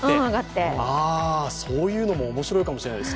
そういうのも面白いかもしれないです。